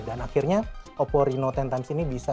dan akhirnya oppo reno sepuluh times ini bisa